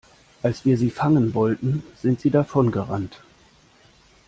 Als wir sie fangen wollten, sind sie davon gerannt.